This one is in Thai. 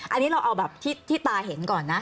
อันนี้เราเอาแบบที่ตาเห็นก่อนนะ